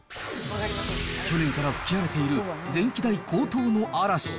去年から吹き荒れている電気代高騰の嵐。